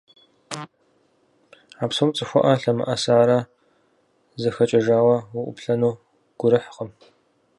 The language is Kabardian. А псоми цӀыхуӀэ лъэмыӀэсарэ зэхэкӀэжауэ уӀуплъэну гурыхькъым.